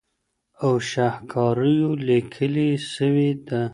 او شهکاریو لیکلې سوې ده